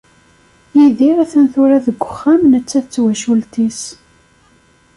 Yidir atan tura deg uxxam netta d twacult-is.